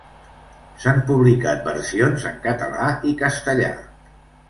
S'han publicat versions en català i castellà.